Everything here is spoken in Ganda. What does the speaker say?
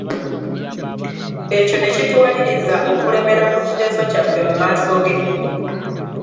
Ekyo ne kituwaliriza okulemera ku kiteeso kyaffe mu maaso ge.